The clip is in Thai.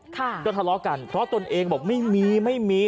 ก็ทะเลาะกันเพราะตนเองบอกไม่มีไม่มี